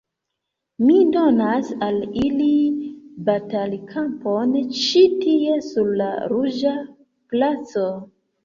Mi donas al ili batalkampon ĉi tie, sur la Ruĝa Placo.